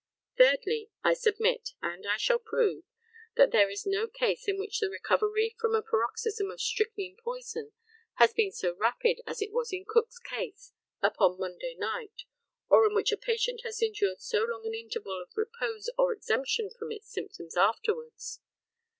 Thirdly, I submit and I shall prove that there is no case in which the recovery from a paroxysm of strychnine poison has been so rapid as it was in Cook's case upon Monday night, or in which a patient has endured so long an interval of repose or exemption from its symptoms afterwards.